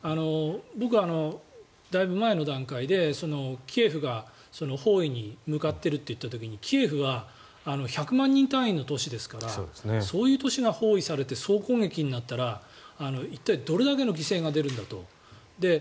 僕、だいぶ前の段階でキーウが包囲に向かっていると言った時にキーウは１００万人単位の都市ですからそういう都市が包囲されて総攻撃になったら一体、どれだけの犠牲が出るんだと。